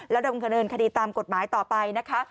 ดำเนินคดีตามกฎหมายต่อไปนะคะ